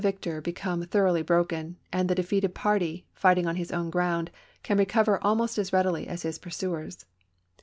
victor become thoroughly broken, and the defeated party, fighting on his own gi'ound, can recover almost as readily as his pursuers.